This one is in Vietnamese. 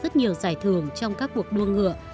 rất nhiều giải thưởng trong các cuộc đua ngựa